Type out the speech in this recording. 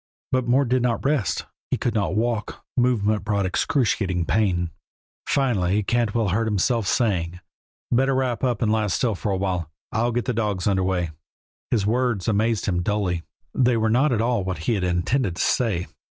But Mort did not rest. He could not walk; movement brought excruciating pain. Finally Cantwell heard himself saying: "Better wrap up and lie still for a while. I'll get the dogs underway." His words amazed him dully. They were not at all what he had intended to say.